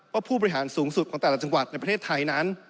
ผู้บริหารสูงสุดของแต่ละจังหวัดในประเทศไทยนั้น